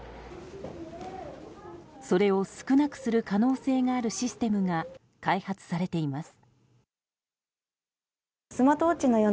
それを少なくする可能性があるシステムが開発されています。